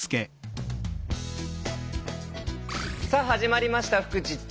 さあ始まりました「フクチッチ」。